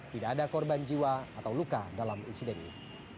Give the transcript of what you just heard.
tidak ada korban jiwa atau luka dalam insiden ini